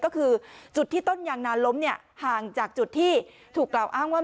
ก็คือจุดที่ต้นยางนาล้มเนี่ยห่างจากจุดที่ถูกกล่าวอ้างว่า